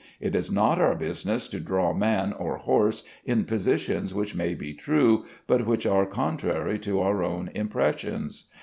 It is not our business to draw man or horse in positions which may be true, but which are contrary to our own impressions.